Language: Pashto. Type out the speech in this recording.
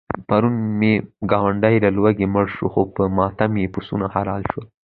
پرون مې ګاونډی له لوږې مړ شو، خو په ماتم یې پسونه حلال شول.